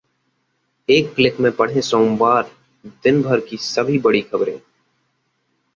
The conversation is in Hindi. एक क्लिक में पढ़ें सोमवार दिन भर की सभी बड़ी खबरें